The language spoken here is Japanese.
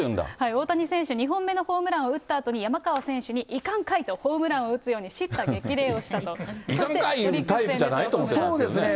大谷選手、２本目のホームランを打ったあとに、山川選手にいかんかいと、ホームランを打つようにいかんかい言うタイプじゃなそうですね。